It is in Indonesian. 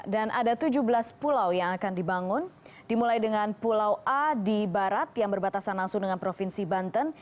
dan ada tujuh belas pulau yang akan dibangun dimulai dengan pulau a di barat yang berbatasan langsung dengan provinsi banten